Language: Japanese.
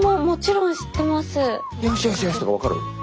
「よしよしよし」とか分かる？